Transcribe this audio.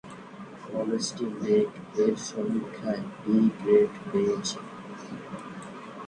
কলেজটি নেক এর সমিক্ষায় বি গ্রেড পেয়েছে।